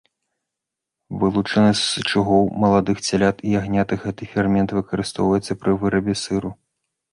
Вылучаны з сычугоў маладых цялят і ягнят, гэты фермент выкарыстоўваецца пры вырабе сыру.